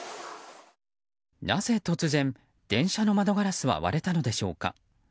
なぜ突然、電車の窓ガラスは割れたのでしょうか。